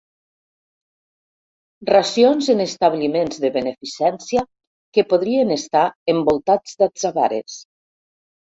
Racions en establiments de beneficència que podrien estar envoltats d'atzavares.